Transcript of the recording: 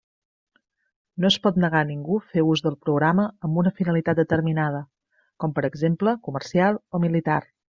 No es pot negar a ningú fer ús del programa amb una finalitat determinada, com per exemple comercial o militar.